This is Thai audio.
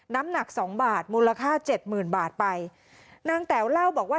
น้ำหนักสองบาทมูลค่าเจ็ดหมื่นบาทไปนางแต๋วเล่าบอกว่า